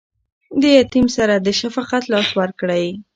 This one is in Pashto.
د یتیم سر ته د شفقت لاس ورکړئ.